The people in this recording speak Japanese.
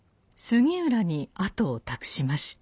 杉浦に後を託しました。